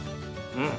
うん！